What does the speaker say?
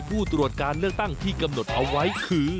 ผู้ตรวจการเลือกตั้งที่กำหนดเอาไว้คือ